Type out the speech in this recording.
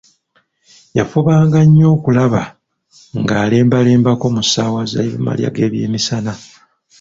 Yafubanga nnyo okulaba ng'alembalembako mu ssaawa za malya g'ebyemisana.